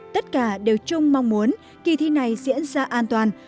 tất cả đều chung mong muốn kỳ thi này diễn ra an toàn